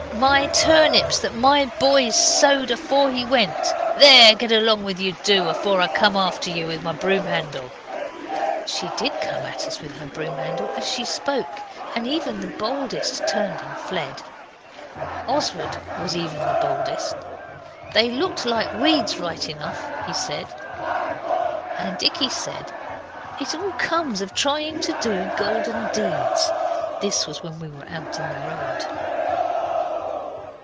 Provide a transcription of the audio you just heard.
My turnips that my boy sowed afore he went. There, get along with you do, afore I come at you with my broom handle.' She did come at us with her broom handle as she spoke, and even the boldest turned and fled. Oswald was even the boldest. 'They looked like weeds right enough,' he said. And Dicky said, 'It all comes of trying to do golden deeds.' This was when we were out in the road.